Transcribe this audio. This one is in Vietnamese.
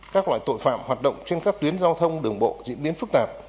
các loại tội phạm hoạt động trên các tuyến giao thông đường bộ diễn biến phức tạp